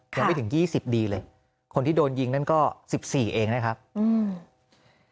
ยังไม่ถึงยี่สิบดีเลยคนที่โดนยิงนั่นก็สิบสี่เองนะครับอืม